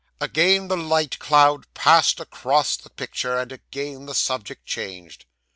'Again the light cloud passed across the picture, and again the subject changed.